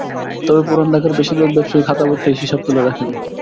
তবে পুরান ঢাকার বেশির ভাগ ব্যবসায়ী খাতাপত্রেই হিসাব তুলে রাখেন।